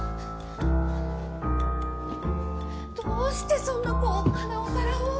どうしてそんな高価なお皿を。